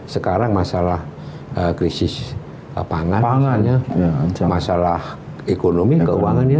sekarang masalah krisis pangan masalah ekonomi keuangannya